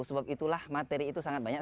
sebab itulah materi itu sangat banyak